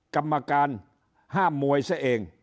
กรรมการห้ามมวยซะเอง